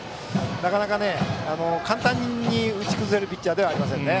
なかなか簡単に打ち崩せるピッチャーではないですね。